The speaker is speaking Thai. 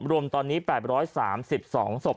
รวมตอนนี้๘๓๒ศพ